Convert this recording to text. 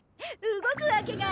動くわけが。